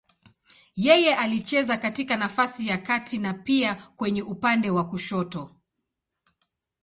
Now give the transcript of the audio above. Yeye alicheza katika nafasi ya kati na pia kwenye upande wa kushoto.